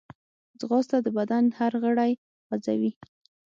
ځغاسته د بدن هر غړی خوځوي